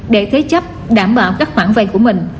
để thế chấp đảm bảo các khoản vay của mình